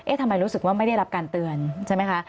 ทำไมรู้สึกว่าไม่ได้รับการเตือนใช่ไหมคะ